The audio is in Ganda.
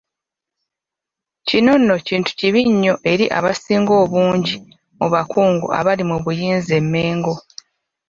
Kino nno, kintu kibi nnyo eri abasinga obungi mu bakungu abali mu buyinza e Mengo.